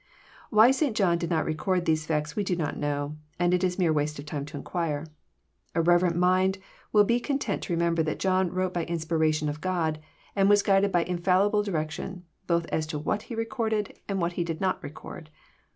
Why St. John did not record these facts we do not know, and it is mere waste of time to inquire. A reverent mind will be con tent to remember that John wrote by inspiration of God, and was guided by infallible direction, both as to what he recorded and what he did not record.